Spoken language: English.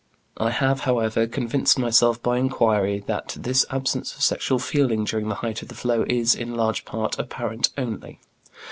I have, however, convinced myself by inquiry that this absence of sexual feeling during the height of the flow is, in large part, apparent only.